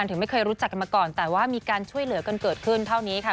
ถึงไม่เคยรู้จักกันมาก่อนแต่ว่ามีการช่วยเหลือกันเกิดขึ้นเท่านี้ค่ะ